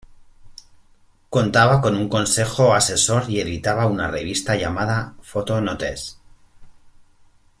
Contaba con un consejo asesor y editaban una revista llamada "Photo-Notes".